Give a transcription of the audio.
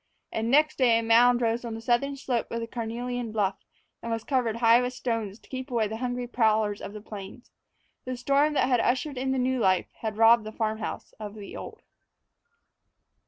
And next day a mound rose on the southern slope of the carnelian bluff and was covered high with stones, to keep away the hungry prowlers of the plains. The storm that had ushered in the new life had robbed the farm house of the old.